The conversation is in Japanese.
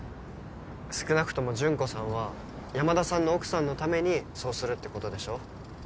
少なくとも純子さんは山田さんの奥さんのためにそうするってことでしょ。